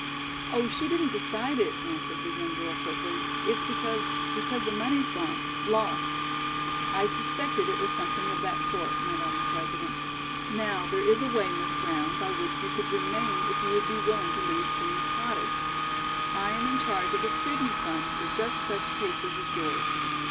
"Oh, she didn't decide it," answered the young girl, quickly. "It's because because the money's gone lost." "I suspected it was something of that sort," went on the President. "Now, there is a way, Miss Brown, by which you could remain if you would be willing to leave Queen's Cottage. I am in charge of a Student Fund for just such cases as yours.